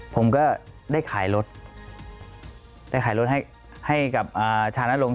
ผมก็ได้ขายรถได้ขายรถให้กับชานรงค